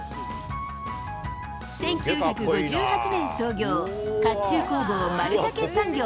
１９５８年創業、甲冑工房丸武産業。